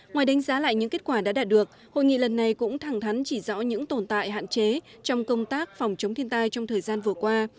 ngoài đánh giá lại những kết quả đã đạt được hội nghị lần này cũng thẳng thắn chỉ rõ những tồn tại hạn chế trong công tác phòng chống thiên tai trong thời gian vừa qua